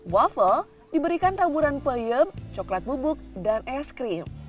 waffle diberikan taburan peyem coklat bubuk dan es krim